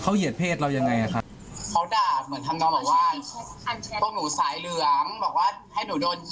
อะไรอย่างนี้